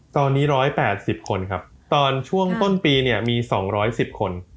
ตอนนี้๑๘๐คนครับตอนช่วงต้นปีเนี่ยมี๒๑๐คน